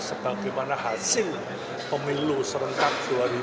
sebagaimana hasil pemilu serentak dua ribu sembilan belas